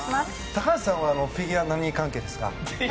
高橋さんはフィギュア何関係ですか？